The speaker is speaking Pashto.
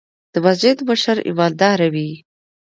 د مسجد مشر ايمانداره وي.